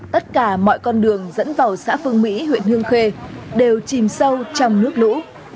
tất cả mọi con đường dẫn vào xã phương mỹ huyện hương khê đều chìm sâu trong nước lũ